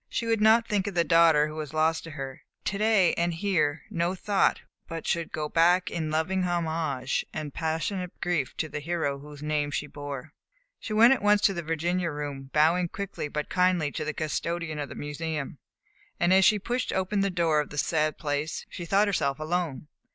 She would not think of the daughter who was lost to her; to day and here no thought but should go back in loving homage and passionate grief to the hero whose name she bore. She went at once to the Virginia Room, bowing quickly but kindly to the custodian of the Museum, and as she pushed open the door of the sad place, she thought herself alone.